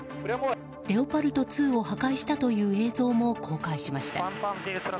レオパルト２を破壊したという映像も公開しました。